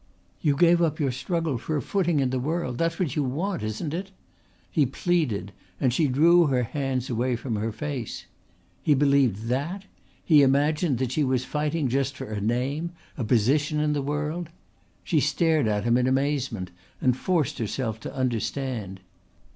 "You give up your struggle for a footing in the world that's what you want, isn't it?" He pleaded, and she drew her hands away from her face. He believed that? He imagined that she was fighting just for a name, a position in the world? She stared at him in amazement, and forced herself to understand.